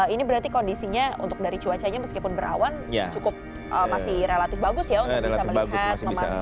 ini berarti kondisinya untuk dari cuacanya meskipun berawan cukup masih relatif bagus ya untuk bisa melihat memantau